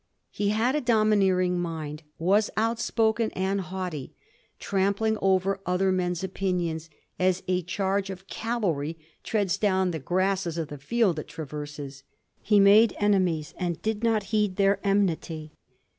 He had a domineering mind, was outspoken and haughty ; trampling over other men's opinions as a charge of cavalry treads down the grasses of the field it traverses. He made enemies, and did not heed their enmity.